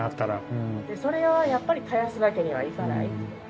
それはやっぱり絶やすわけにはいかない。